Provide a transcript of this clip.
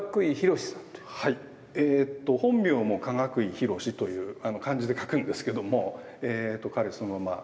えと本名も加岳井広という漢字で書くんですけどもえと彼そのまあ。